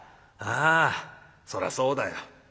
ああそらそうだよ。